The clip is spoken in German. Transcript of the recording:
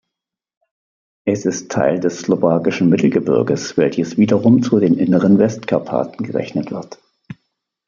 Es ist Teil des Slowakischen Mittelgebirges, welches wiederum zu den Inneren Westkarpaten gerechnet wird.